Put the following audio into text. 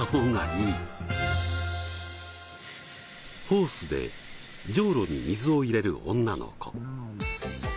ホースでじょうろに水を入れる女の子。